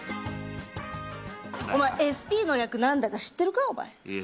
お前、ＳＰの略何だか知ってるか？